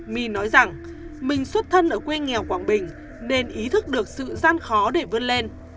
my nói rằng mình xuất thân ở quê nghèo quảng bình nên ý thức được sự gian khó để vươn lên